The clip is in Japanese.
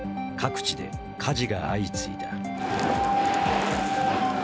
各地で火事が相次いだ。